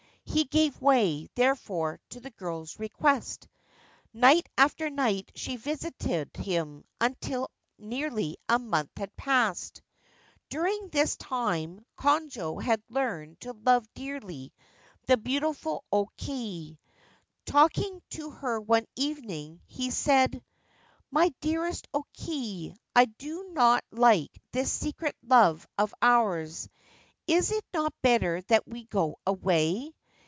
He gave way, therefore, to the girl's request. Night after night she visited him, until nearly a month had passed. During 6 The Golden Hairpin this time Konojo had learned to love dearly the beautiful O Kei. Talking to her one evening, he said : c My dearest O Kei, I do not like this secret love of ours. Is it not better that we go away